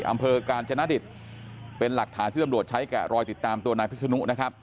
อำเภอกาญจนดิตเป็นหลักฐานที่ตำรวจใช้แกะรอยติดตามตัวนายพิศนุนะครับ